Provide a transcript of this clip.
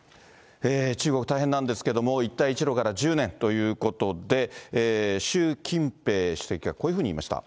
中国大変なんですけども、一帯一路から１０年ということで、習近平主席がこういうふうに言いました。